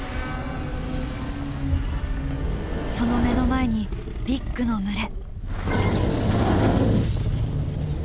その目の前にビッグの群れ。